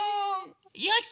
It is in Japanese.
よし！